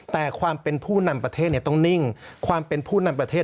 แต่ความเป็นผู้นำประเทศต้องนิ่งความเป็นผู้นำประเทศ